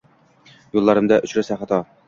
Yoʻllarimda uchrasa xato